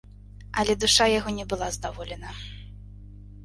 Але душа яго не была здаволена.